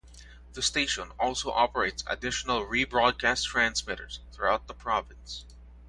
The station also operates additional rebroadcast transmitters throughout the province.